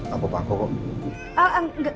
aku pangku kok